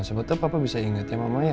sebetulnya papa bisa ingat ya mama ya